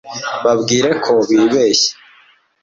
babwire ko bibeshye